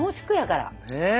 ねえ。